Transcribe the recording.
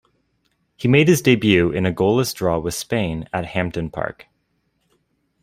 He made his debut in a goalless draw with Spain at Hampden Park.